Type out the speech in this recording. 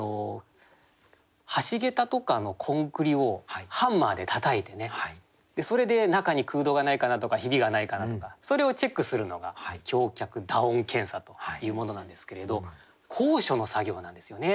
橋桁とかのコンクリをハンマーでたたいてねそれで中に空洞がないかなとかひびがないかなとかそれをチェックするのが橋脚打音検査というものなんですけれど高所の作業なんですよね。